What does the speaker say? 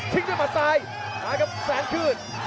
ทิ้งได้หมัดซ้ายเอาครับแสนคืน